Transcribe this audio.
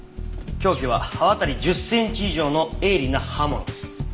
凶器は刃渡り１０センチ以上の鋭利な刃物です。